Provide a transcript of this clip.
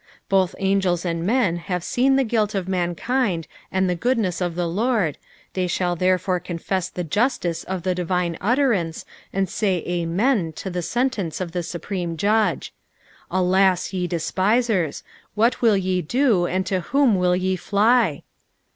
Both angeU and men have seen the guilt of mankind and the goodness of the Lord, they shall therefore confess the justice of the divine utterance, and aay " Amen" to the sentence of tbe supreme Judge. Alas, ye deapisers I What will ye do and to whom will ye fly?